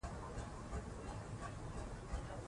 د هغې نوم په کومو کرښو لیکل سوی؟